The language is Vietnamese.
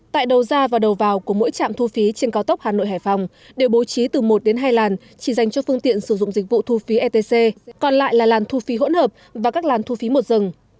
tại đầu ra và đầu vào của mỗi trạm thu phí trên cao tốc hà nội hải phòng đều bố trí từ một đến hai làn chỉ dành cho phương tiện sử dụng dịch vụ thu phí etc còn lại là làn thu phí hỗn hợp và các làn thu phí một dừng